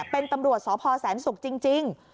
เป็นตำรวจสศศูกค์จริง